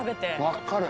分かる。